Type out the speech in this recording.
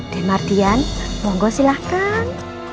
den martian monggo silahkan